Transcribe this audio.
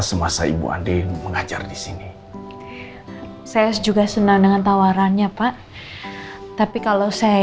semasa ibu andien mengajar disini saya juga senang dengan tawarannya pak tapi kalau saya